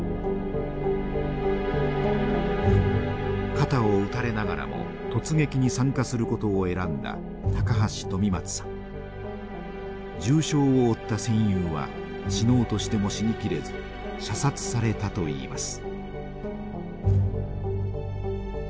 肩を撃たれながらも突撃に参加することを選んだ重傷を負った戦友は死のうとしても死にきれず射殺されたといいます。